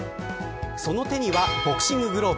その手にはボクシンググローブ。